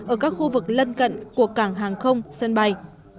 ở các khu vực lân cận của cảng hàng không sân bay